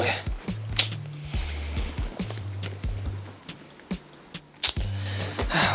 apa ya salah gue